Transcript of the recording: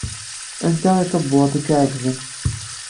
Anta i d tabwaḍt i k-iɛeǧben?